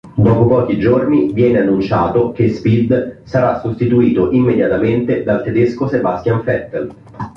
Dopo pochi giorni viene annunciato che Speed sarà sostituito immediatamente dal tedesco Sebastian Vettel.